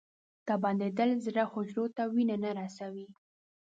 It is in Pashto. دا بندېدل زړه حجرو ته وینه نه رسوي.